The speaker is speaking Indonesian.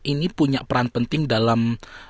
ini punya peran penting dalam